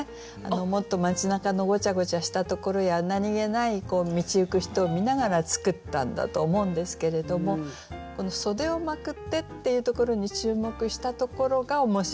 もっと街なかのごちゃごちゃしたところや何気ない道行く人を見ながら作ったんだと思うんですけれどもこの「袖をまくって」っていうところに注目したところが面白いところで。